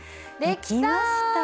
できました。